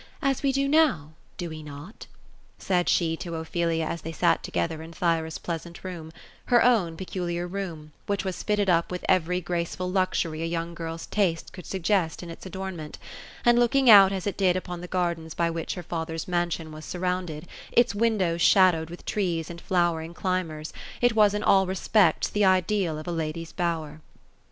As we do now ; do we not V* said she to Ophelia, as they sat together, in Thyra's pleasant room — her own peculiar room, which was fitted up with every graceful luxury a young girl's taste could suggest in its adornment, and looking out as it did upon the gardens by which her father's mansion was surrounded, — its windows shadowed with trees and flowering climbers, it was in all respects the ideal of a lady's bower.